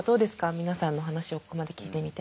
皆さんのお話をここまで聞いてみて。